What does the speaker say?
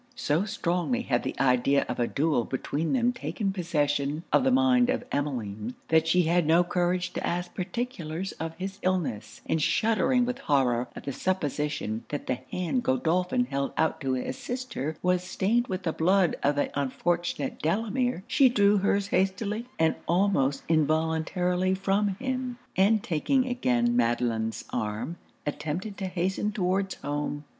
So strongly had the idea of a duel between them taken possession of the mind of Emmeline, that she had no courage to ask particulars of his illness; and shuddering with horror at the supposition that the hand Godolphin held out to assist her was stained with the blood of the unfortunate Delamere, she drew her's hastily and almost involuntarily from him; and taking again Madelon's arm, attempted to hasten towards home.